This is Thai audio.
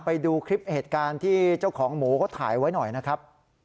ไปดูคลิปเหตุการณ์ที่เจ้าของหมูเขาถ่ายไว้หน่อยนะครับ